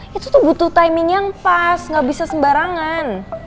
itu tuh butuh timing yang pas gak bisa sembarangan